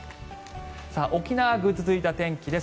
沖縄、ぐずついた天気です。